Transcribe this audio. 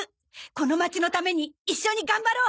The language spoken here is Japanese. この街のために一緒に頑張ろう！